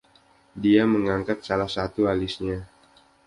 Dia mengangkat salah satu alisnya.